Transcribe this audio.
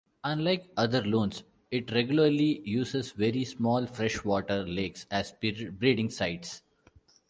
Unlike other loons, it regularly uses very small freshwater lakes as breeding sites.